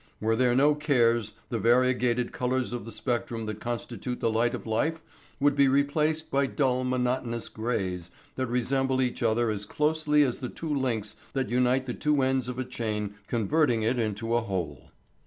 Were there no cares the variegated colours of the spectrum that constitute the light of life would be replaced by dull monotonous grays that resemble each other as closely as the two links that unite the two ends of a chain converting it into a whole.